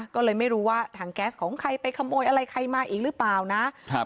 ก็เลยไม่รู้ว่าถังแก๊สของใครไปขโมยอะไรใครมาอีกหรือเปล่านะครับ